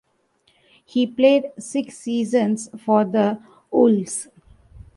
He played six seasons for the Wolves.